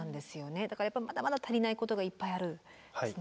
だからやっぱりまだまだ足りないことがいっぱいあるんですね。